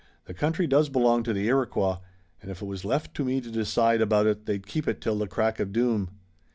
"The country does belong to the Iroquois, and if it was left to me to decide about it they'd keep it till the crack of doom.